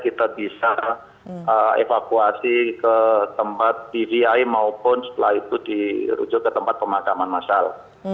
kita bisa evakuasi ke tempat dvi maupun setelah itu dirujuk ke tempat pemakaman masal